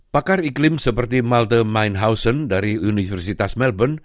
pakar iklim seperti malte meinhausen dari universitas melbourne